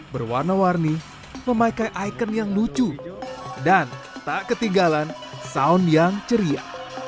berwarna warni memakai ikon yang lucu dan tak ketinggalan sound yang ceria